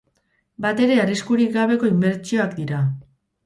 Batere arriskurik gabeko inbertsioak dira.